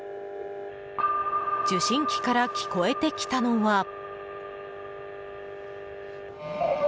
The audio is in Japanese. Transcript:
受信機から聞こえてきたのは。